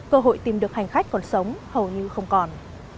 cơ hội tìm được hành khách còn sống hầu như không còn